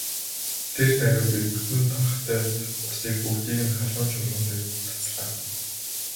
Тэр даруй би бүтэн торхтой усыг бүгдийг нь халуун чулуунууд дээр цацлаа.